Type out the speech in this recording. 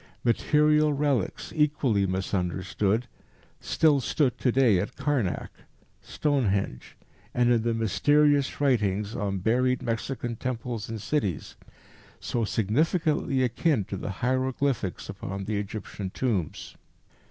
Material relics, equally misunderstood, still stood to day at Karnac, Stonehenge, and in the mysterious writings on buried Mexican temples and cities, so significantly akin to the hieroglyphics upon the Egyptian tombs.